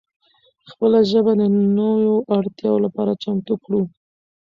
خپله ژبه د نوو اړتیاو لپاره چمتو کړو.